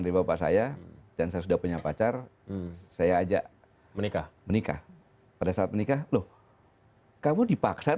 dari bapak saya dan saya sudah punya pacar saya ajak menikah pada saat menikah loh kamu dipaksa